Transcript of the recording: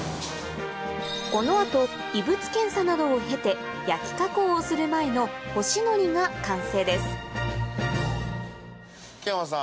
この後異物検査などを経て焼き加工をする前の乾のりが完成です木山さん